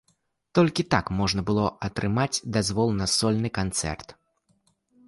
Толькі так можна было атрымаць дазвол на сольны канцэрт.